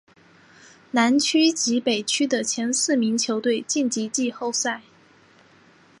南区及北区的前四名球队晋级季后赛。